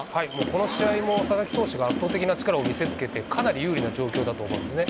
この試合も佐々木投手が圧倒的な力を見せつけてかなり有利な状況だと思うんですね。